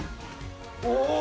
お！